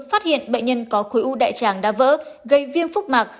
phát hiện bệnh nhân có khối u đại tràng đã vỡ gây viêm phúc mạc